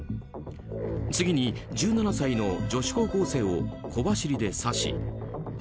次に１７歳の女子高校生を小走りで刺し